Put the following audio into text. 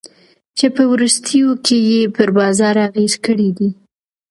چي په وروستیو کي ئې پر بازار اغېز کړی دی.